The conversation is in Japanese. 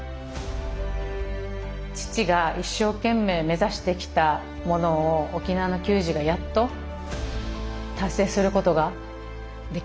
父が一生懸命目指してきたものを沖縄の球児がやっと達成することができるんだと。